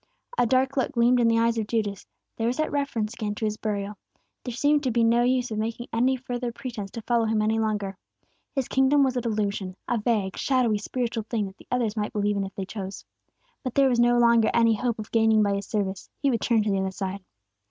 A dark look gleamed in the eyes of Judas, there was that reference again to His burial. There seemed to be no use of making any further pretence to follow Him any longer. His kingdom was a delusion, a vague, shadowy, spiritual thing that the others might believe in if they chose. But if there was no longer any hope of gaining by His service, he would turn to the other side.